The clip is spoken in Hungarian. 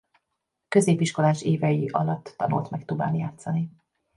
Középiskolás évei alatt tanult meg tubán játszani.